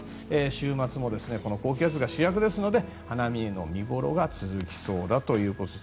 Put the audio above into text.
週末も高気圧が主役ですので花見の見頃が続きそうだということです。